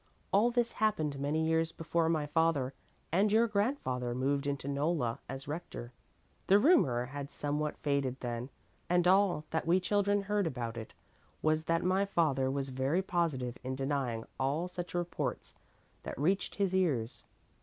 All this happened many years before my father and your grandfather moved into Nolla as Rector. The rumor had somewhat faded then and all that we children heard about it was that my father was very positive in denying all such reports that reached his ears.